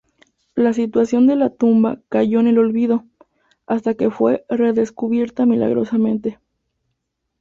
La situación de la tumba cayó en el olvido, hasta que fue redescubierta milagrosamente.